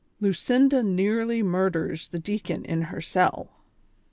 LUCINDA NEARLY MURDERS THE DEACON IN HER CELL.